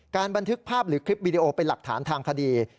บันทึกภาพหรือคลิปวิดีโอเป็นหลักฐานทางคดี